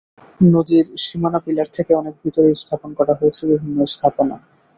নদীর সীমানা পিলার থেকে অনেক ভেতরে স্থাপন করা হয়েছে বিভিন্ন স্থাপনা।